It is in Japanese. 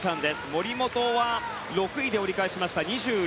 森本は６位で折り返しました。